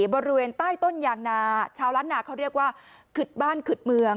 บริเวณใต้ต้นยางนาชาวล้านนาเขาเรียกว่าขึดบ้านขึดเมือง